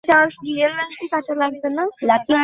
এটা দেখলেই কি জাতির সব সমস্যার সমাধান হবে?